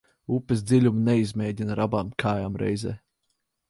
Upes dziļumu neizmēģina ar abām kājām reizē.